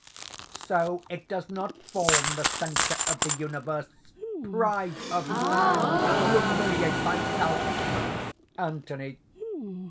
"So it does not form the centre of the universe! Pride of man! humiliate thyself!" ANTHONY.